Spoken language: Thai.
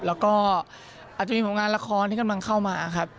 แล้วก็อาจจะมีผลงานละครที่กำลังเข้ามาครับ